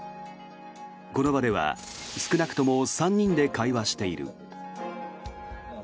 この場では少なくとも３人で会話している。